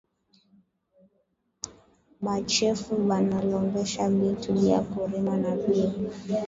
Ba chefu bana lombesha bintu bia kurima nabio